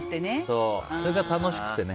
それが楽しくてね。